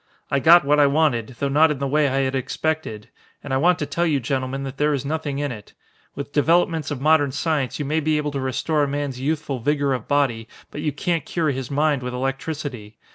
I got what I wanted, though not in the way I had expected. And I want to tell you gentlemen that there is nothing in it. With developments of modern science you may be able to restore a man's youthful vigor of body, but you can't cure his mind with electricity.